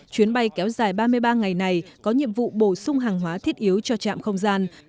chuyến bay kéo dài ba mươi ba ngày này có nhiệm vụ bổ sung hàng hóa thiết yếu cho trạm không gian